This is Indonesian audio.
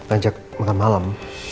ajak makan malam